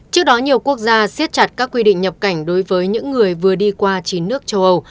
trước đó nhiều quốc gia siết chặt các quy định nhập cảnh đối với những người vừa đi qua chín nước châu âu